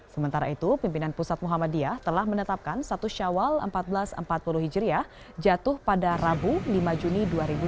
sementara itu pimpinan pusat muhammadiyah telah menetapkan satu syawal seribu empat ratus empat puluh hijriah jatuh pada rabu lima juni dua ribu dua puluh